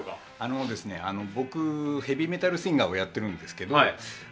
僕、ヘビーメタルシンガーをやっているんですけど。